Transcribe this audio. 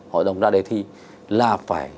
hội đồng ra đề thi là phải